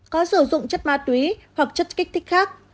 có sử dụng chất ma túy hoặc chất kích thích khác